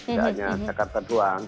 tidak hanya jakarta doang